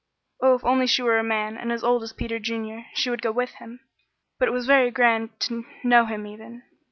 Oh, if she were only a man and as old as Peter Junior, she would go with him; but it was very grand to know him even.